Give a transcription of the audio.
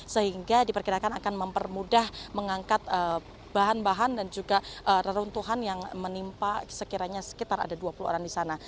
sehingga diperkirakan akan mempermudah mengangkat bahan bahan dan juga reruntuhan yang menimpa sekiranya sekitar ada dua puluh orang di sana